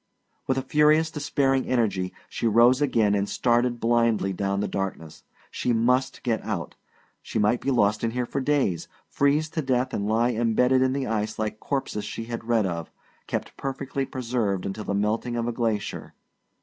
With a furious, despairing energy she rose again and started blindly down the darkness. She must get out. She might be lost in here for days, freeze to death and lie embedded in the ice like corpses she had read of, kept perfectly preserved until the melting of a glacier.